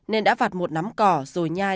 nên đã vặt một nắm cỏ rồi nhai